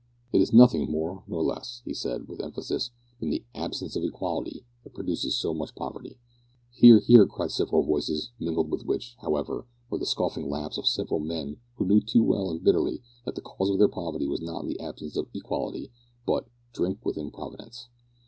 "It is nothing more nor less," he said, with emphasis, "than the absence of equality that produces so much poverty." "Hear! hear!" cried several voices, mingled with which, however, were the scoffing laughs of several men who knew too well and bitterly that the cause of their poverty was not the absence of equality, but, drink with improvidence.